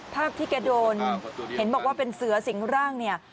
ภาพที่แกโดนเห็นบอกว่าเป็นเสือสิงร่างเนี่ย